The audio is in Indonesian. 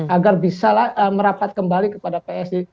agar bisa merapat kembali kepada psi